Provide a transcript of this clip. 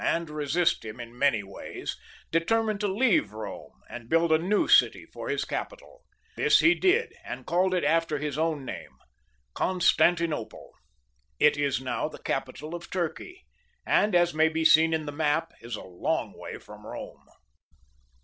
and resist him in many ways, determined to leave Bome and build a new city for his capital. This he did, and called it after his own name, Constantinople. It is now the capital of Turkey, and, as may be seen in the map, is a long way from Bome.